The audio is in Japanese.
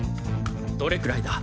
どれくらいだ？